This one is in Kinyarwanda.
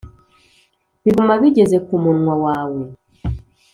Biguma bigeze ku munwa wawe